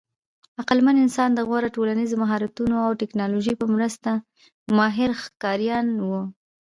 عقلمن انسان د غوره ټولنیزو مهارتونو او ټېکنالوژۍ په مرسته ماهر ښکاریان وو.